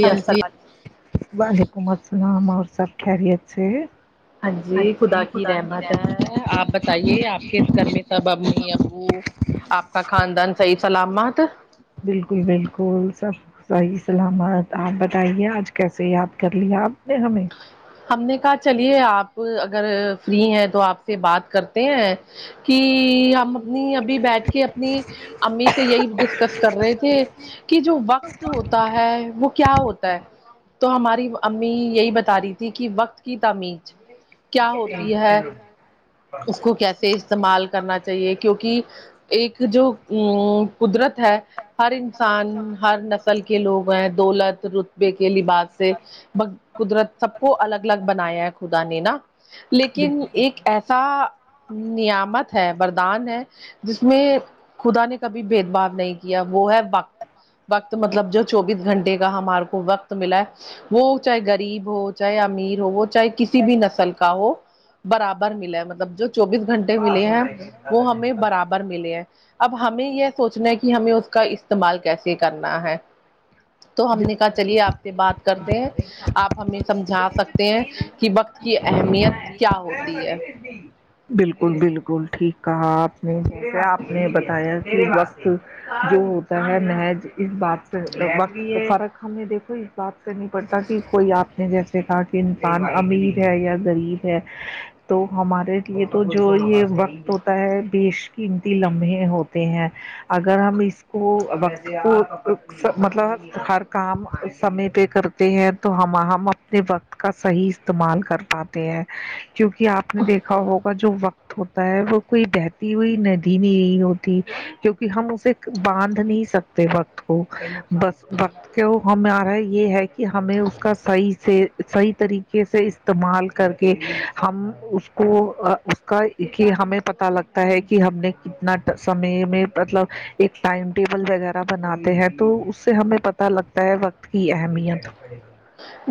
ہاں جی وعلیکم السلام اور سب خریت سے ہاں جی خدا کی رحمت ہے آپ بتائیے آپ کے گھر میں سب امی ابو آپ کا خاندان صحیح سلامات بالکل بالکل سب صحیح سلامت آپ بتائیے آج کیسے یاد کر لیا آپ نے ہمیں ہم نے کہا چلیے آپ اگر فری ہیں تو آپ سے بات کرتے ہیں کی ہم اپنی ابھی بیٹھ کے اپنی امی سے یہی ڈسکس کر رہے تھے کی جو وقت ہوتا ہے وہ کیا ہوتا ہے تو ہماری امی یہی بتا رہی تھی کی وقت کی تعمیز کیا ہوتی ہے اس کو کیسے استعمال کرنا چاہیے کیونکی ایک جو قدرت ہے ہر انسان ہر نسل کے لوگ ہیں دولت رت بے کے لباس سے قدرت سب کو الگ الگ بنایا ہے خدا نے نا لیکن بالکل ایک ایسا ہاں نعمت ہے بردان ہے جس میں خدا نے کبھی بھید بھؤ نہیں کیا وہ ہے وق وقت مطلب جو چوبیس گھنٹے کا ہمار کو وقت ملا ہے وہ چاہے غریب ہو چاہے امیر ہو وہ چاہے کسی بھی نسل کا ہو برابر ملا ہے مطلب جو چوبیس گھنٹے ملے ہیں وہ ہمیں برابر ملے ہیں اب ہمیں یے سوچنا ہے کی ہمیں اس کا استعمال کیسے کرنا ہے تو ہم نے کہا چلیے آپ سے بات کرتے ہیں آپ ہمیں سمجھا سکتے ہیں کی وقت کی اہمیت کیا ہوتی ہے بالکل بالکل ٹھیک کہا آپ نے جسے آپ نے بتایا کی وقت جو ہوتا ہے محج اس بات سے باقی یے فرق ہمیں دیکھو بات کرنی پڑتا کی کوئی آپ نے جیسے کہا کی انسان امیر ہے یا غریب ہے تو ہمارے یے تو جو یے وقت ہوتا ہے بیش قیمتی لمحے ہوتے ہیں اگر ہم اس کو وقت کو مطلب ہم ہر کام سمے پے کرتے ہیں تو ہم ہم اپنے وقت کا صحیح استعمال کر پاتے ہیں کیونکہ آپ نے دیکھا ہوگا جو وقت ہوتا ہے وہ کوئی بہتی ہوئی ندی نہیں ہوتی کیو نکی ہم اسے باندھ نہیں سکتے وقت کو بس وقت کہ وہ ہمارا یے ہے کہ ہمیں اس کا صحیح سے صحیح طریقے سے اس تعمال کر کے ہم اس کو اس کا کہ ہمیں پتہ لگتا ہے کی ہم نے کتنا سمے میں مطلب ایک ٹائم ٹیبل وغیرہ بناتے ہیں تو اس سے ہمیں پتہ لگتا ہے وقت کی اہمیت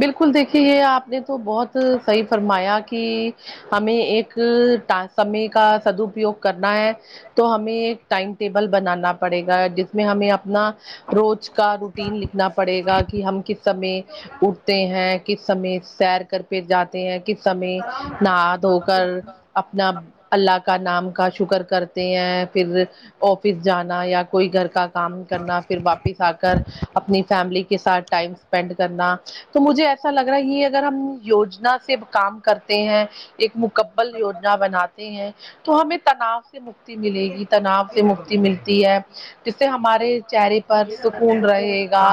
بالکل دیکھیے یے آپ نے تو بہت صحیح فرمایا کہ کی ہمیں ایک ٹا سمے کا سد اپیوگ کرنا ہے تو ہمیں ایک ٹائم ٹیبل بنانا پڑے گا جس میں ہمیں اپنا روز کا روٹین لکھنا پڑے گا کہ ہم کس سمے ا ٹھ ہیں کس سمے سیر کر کے جاتے ہیں کس سمے نہا دھو کر اپنا اللہ کا نام کا شکر کرتے ہیں پھر آفس جانا یا کوئی گھر کا کام کرنا پھر واپس آ کر اپنی فیملی کے ساتھ ٹائم اسپینڈ کرنا تو مجھے ایسا لگ رہا ہے یہ اگر ہم یوجنا سے کام کرتے ہیں ایک مکمل یوجنا بناتے ہیں تو ہمیں تناؤ سے مکتی ملے گی تناؤ سے مکتی ملتی ہے جس سے ہمارے چہرے پر سکون رہے گا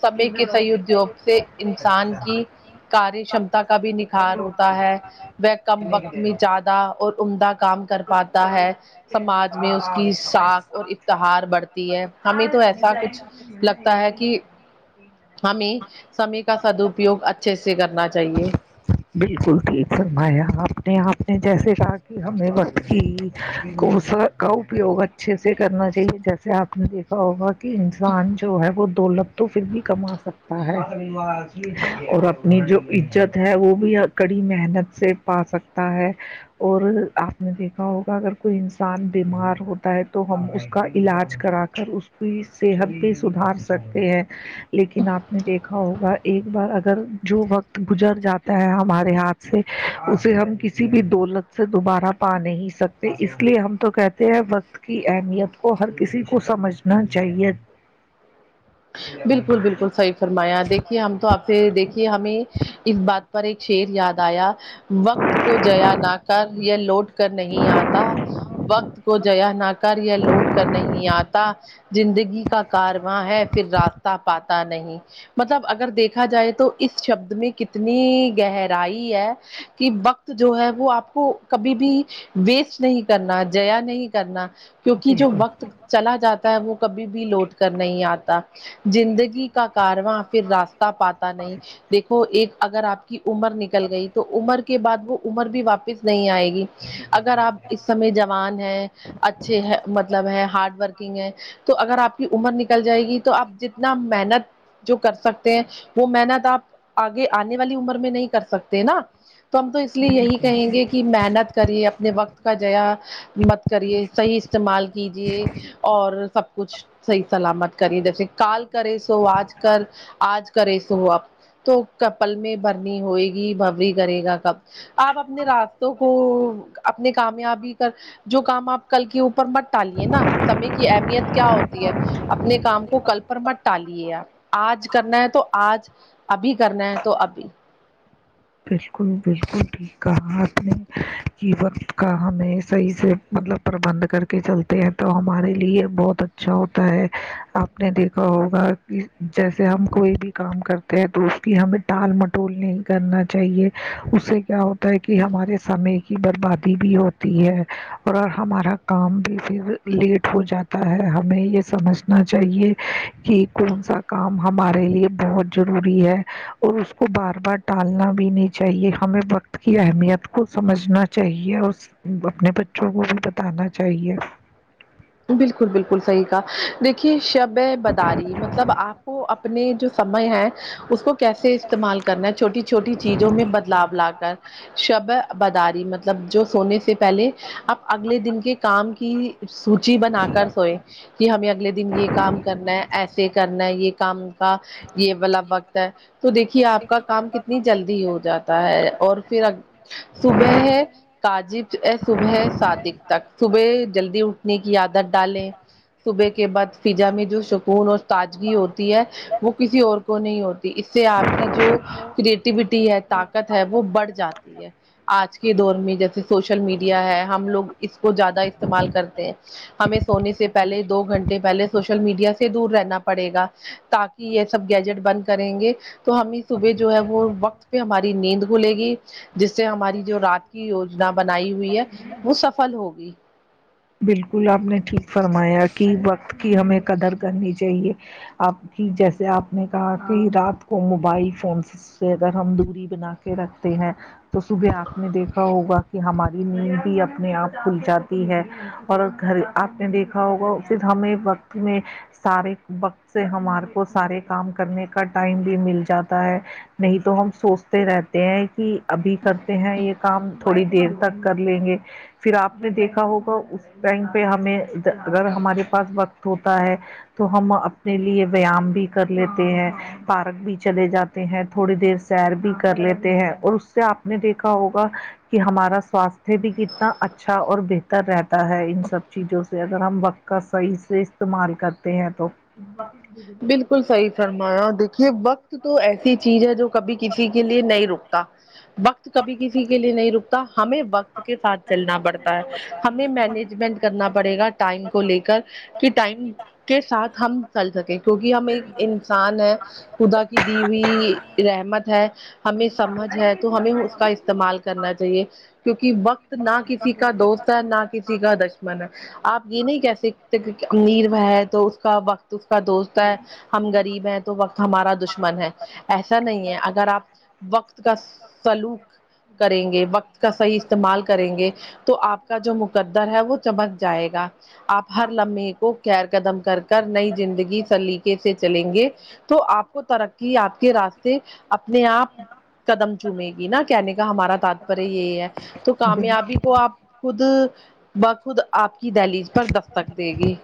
سمے کے صحیح ادیوگ سے انسان کی کاریہ شمتا کا بھی نکھار ہوتا ہے وہ کم وقت میں زیادہ اور عمدہ کام کر پاتا ہے سماج میں اس کی ساخ اور افتہار بڑھ تی ہے ہمیں تو ایسا کچھ لگتا ہے کہ ہم ہی سمے کا سد اپیوگ اچھے سے کرنا چاہیے بالکل ٹھیک فرمایا آپ نے آپ نے جیسے ساخ ہمیں وقت کی کوس کا اپیوگ اچھے سے کرنا چاہیے جیسے آپ دیکھا ہوگا کہ انسان جو ہے وہ دولت تو فر بھی کما سکتا ہے اور اپنی جو عجت ہے وہ بھی کڑی محنت سے پا سکتا ہے اور آپ نے دیکھا ہوگا اگر کوئی انسان بیمار ہوتا ہے تو ہم اس کا علاج کرا کر اس پھر صحت بھی سدھار سکتے ہیں لیکن آپ نے دیکھا ہوگا ایک بار اگر جو وقت گجر جاتا ہے ہمارے ہاتھ سے اسے ہم کسی بھی دولت سے دوبار ہ پا نہیں سکتے اس لیے ہم تو کہتے ہیں بس وقت کی اہمیت کو ہر کسی کو سمجھنا چاہیے بالکل بالکل صحیح فرمایا دیکھئے ہم تو آپ سے دیکھ کہ ہمیں اس بات پر ایک شعر یاد آیا وقت کو جیا نہ کر یہ لوٹ کر نہیں آتا وقت کو جیا نہ کر یا لوٹ کر نہیں آتا جندگی کا کارواں ہے پھر راستہ پاتا نہیں مطلب اگر دیکھا جائے تو اس شبد میں کتنیی گہرائی ہے کہ وقت جو ہے وہ آپ کو کبھی بھی ویسٹ نہیں کرنا جیا نہیں کرنا کیونکہ جو بالکل وقت چلا جاتا ہے وہ کبھی بھی لوٹ کر نہیں آتا جندگی کا کارواں پھر راستہ پاتا نہیں دیکھو ایک اگر آپ کی عمر نکل گئی تو عمر کے بعد وہ عمر بھی واپ س نہیں آئے گی اگر آپ اس سمے جوان ہیں اچھے ہے مطلب ہے ہارڈ ورکنگ ہے تو اگر آپ کی عمر نکل جائے گی تو آپ جتنا محنت جو کر سکتے ہیں وہ محنت آپ آگے آنے والی عمر میں نہیں کر سکتے نا تو ہم تو اس لیے یہی کہیں گے کہ محنت کریے اپنے وقت کا جیا مت کریے صحیح استعمال کیجیے اور سب کچھ صحیح سلامت کریے ج کال کرے سو آج کر آج کرے سو اب تو کپل میں بھرنی ہوئے گی بھوری کرے گا کب آپ اپنے را کو اپنے کامیابی کر جو کام آپ کل کے اوپر مت ٹالیے نا سمے کی اہمیت کیا ہوتی ہے اپنے کام وہ کل پر مت ٹالیے آپ آج کرنا ہے تو آج ابھی کرنا ہے تو ابھی بالکل بالکل ٹھیک کہا آپ نے کی وقت کا ہمیں صحیح سے مطلب پربند کر کے چلتے ہیں تو ہمارے لیے بہت اچھا ہوتا ہے آپ نے دیکھا ہوگا جیسے ہم کوئی بھی کام کرتے ہیں تو اس کی ہمیں ٹال مٹول نہیں کرنا چاہیے اس سے کیا ہوتا ہے کی ہمارے سمے کی بربادی بھی ہوتی ہے اور ہمارا کام بھی پھر لیٹ ہو جاتا ہے ہمیں یے سمجھنا چاہیے کی کون سا کام ہمارے لیے بہت ضروری ہے اور اس کو بار بار ٹل نا بھی نہیں چاہیے ہمیں وقت کی اہمیت کو سمجھنا چاہیے اس اپنے بچوں کو بھی بتانا چاہیے بالکل بالکل صحیح کا دیکھیے شب بے بداری مطلب آپ کو اپنے جو سمئے ہے اس کو کیسے استعمال کرنا ہے چھوٹی چھوٹی چیزوں میں بدلاؤ لا کر شبے بداری مطلب جو سونے سے پہلے اب اگلے دن کے کام کی چی بنا کر سوئے کہ ہمیں اگلے دن یے کام کرنا ہے ایسے کرنا ہے یے کام کا یے والا وقت ہے تو دیکھیے آپ کا کام کتنی جلدی ہو جاتا ہے اور پھر صبح ہے کاجب صبح ہے شادی تک صبح جلدی اٹ نے کی عادت ڈالیں صبح کے بعد فضا میں جو سکون اور تجگی ہوتی ہے وہ کسی اور کو نہیں ہوتی اس سے آپ کی جو کریٹیوٹی ہے طاقت ہے وہ بڑھ جاتی ہے آج کے دور میں جیسے سوشل میڈیا ہے ہم لوگ اس کو زیادہ استعمال کرتے ہیں ہمیں سونے سے پہلے دو گھنٹے پہلے سوشل میڈیا سے دور رہنا پڑے گا تاکی یے سب گیجٹ بند کریں گے تو ہمیں صبح جو ہے وہ وقت پے ہماری نیند گھلے گی جس سے ہماری جو رات کی یوجنا بنائی ہوئی ہے وہ سفل ہوگی بالکل آپ نے ٹھیک فرمایا کی وقت کی ہمیں قدر کرنی چاہیے آپ کی جیسے آپ نے کہا کی رات کو موبائل فون سے اس سے اگر ہم دوری بنا کے رکھتے ہیں تو صبح آپ نے دیکھا ہوگا کی ہماری نیند بھی اپنے آپ کھل جاتی ہے اور گھر آپ نے دیکھا ہوگا اس پھر ہمیں وقت میں سارے وقت سے ہمارے کو سارے کام کرنے کا ٹائم بھی مل جاتا ہے نہیں تو ہم سوچتے رہتے ہیں کی ابھی کرتے ہیں یے کام تھوڑی دیر تک کر لیں گے پھر آپ نے دیکھا ہوگا اس ٹائم پے ہمیں اگر ہمارے پاس وقت ہوتا ہے تو ہم اپنے لیے وییام بھی کر لیتے ہیں پارک بھی چلے جاتے ہیں تھوڑی دیر سیر بھی کر لیتے ہیں اور اس سے آپ نے دیکھا ہوگا کہ ہمارا سواستھ بھی کتنا اچھا اور بہتر رہتا ان سب چیزوں سے اگر ہم وقت کا صحیح سے استعمال کرتے ہیں تو بالکل صحیح فرمایا دیکھیے وقت تو ایسی چیز ہے جو کبھی کسی کے لیے نہیں رکتا وقت کبھی کسی کے لیے نہیں رک تا ہمیں وقت کے ساتھ چلنا پڑتا ہے ہمیں مینجمنٹ کرنا پڑے گا ٹائم کو لے کر کی ٹائم کے ساتھ ہم چل سکیں کیوں کی ہم ایک انسان ہے خدا کی دی ہوئی رحمت ہے ہمیں سمجھ ہے تو ہمیں اس کا استعمال کرنا چاہیے کیونکی وقت نہ کسی کا دوست نہ کیسی کا دش من آپ یہ نہیں کہہ سکتے کیوں کے امیر ہے تو اس کا وقت اس کا تا ہے ہم غریب ہیں تو وقت ہمارا دشمن ہے ایسا نہیں ہے اگر آپ وقت کا سلوک کریں گے وقت کا صحیح استعمال کریں گے تو آپ کا جو م قدر ہے وہ چمک جائے گا آپ ہر لمحے کو خیر قدم کر کر نئی زندگی کے سے چلیں گے تو آپ کو ترقی آپ کے راستے اپنے آپ قدم چومے گی نا کہنے کا ہمارا تاتپر یہی ہے تو کامیابی کو آپ خود بخود آپ کی دہلیج پر دستک دے گی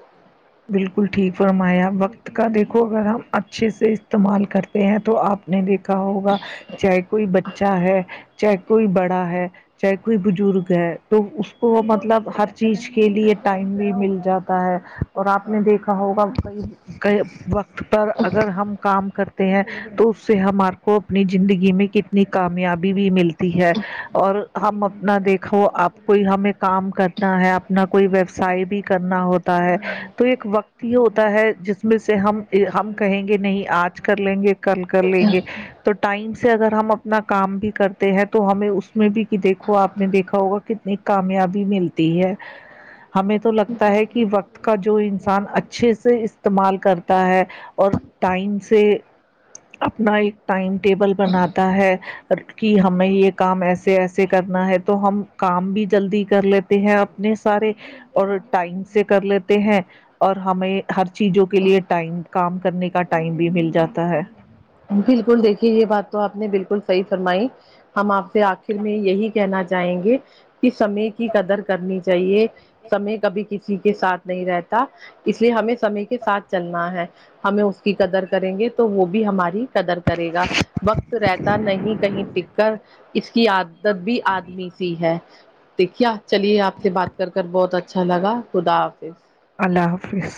بلکل ٹھیک فرمایا وقت کا دیکھو اگر ہم اچھے سے استعمال کرتے ہیں تو آپ نے دی کھا ہوگا چاہے کوئی بچہ ہے چاہے کوئی بڑا ہے چاہے کوئی بزرگ ہے تو اس کو مطلب ہر چیز کے لیے ٹائم بھی مل جاتا ہے اور آپ نے دیکھا ہوگا کی وقت پر اگر ہم کام کر تے ہیں تو اس سے ہمارے کو اپنی زندگی میں کتنی کامیابی بھی ملتی ہے اور ہم اپنا دیکھو اب کوئی ہمیں کام کرنا ہے اپنا کوئی ویوسائے بھی کرنا ہو پتا ہے تو ایک وقت ہی ہوتا ہے جس میں سے ہم ہم کہیں گے نہیں آج کر لیں گے کل کر لیں گے تو ٹائم سے اگر ہم اپنا کام بھی کرتے ہیں تو ہمیں اس اس میں بھی کہ دیکھو آپ نے دیکھا ہوگا کتنی کامیابی ملتی ہے ہمیں تو لگتا ہے کہ وقت کا جو جو انسان اچھے سے استعمال کرتا ہے اور ٹائم سے اپنا ایک ٹائم ٹیبل بناتا ہے کہ ہمیں یہ کام ایسے ایسے کرنا ہے تو ہم کام بھی جلدی کر لیتے ہیں اپنے سارے اور ٹائم سے کر لی تے ہیں اور ہمیں ہر چیزوں کے لیے ٹائم کام کرنے کا ٹائم بھی مل جاتا ہے بلکل دیکھیے یہ بات تو آپ نے بلکل صحیح فرمائی ہم آپ سے آخر میں یہی کہنا چاہیں گے کہ سمے کی قدر کرنی چاہیے سمے کبھی کسی کے ساتھ نہیں رہتا اس لیے ہمیں سمے کے ساتھ چلنا ہے ہمیں اس کی قدر کریں گے تو وہ بھی ہماری قدر کرے گا وقت رہتا نہیں کہیں ٹک کر اس کی عادت بھی آدمی سی ہے دیکھے چلیے آپ سے بات کر کے بہت اچ اچھا لگا خدا حافظ اللہ حافظ